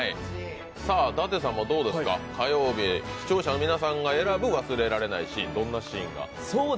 舘様どうですか、火曜日、視聴者の皆さんが選ぶ忘れられないシーンどんなシーンが。